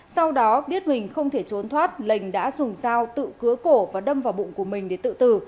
sau đó biết mình không thể trốn thoát lệnh đã dùng dao tự cứa cổ và đâm vào bụng của mình để tự tử